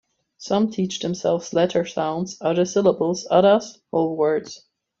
Some teach themselves letter sounds, others syllables, others whole words.